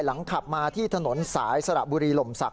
ขับมาที่ถนนสายสระบุรีหล่มศักด